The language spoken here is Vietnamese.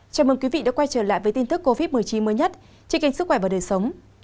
chào mừng quý vị đã quay trở lại với tin tức covid một mươi chín mới nhất chương trình sức khỏe và đời sống